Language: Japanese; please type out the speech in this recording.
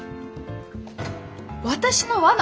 私の罠？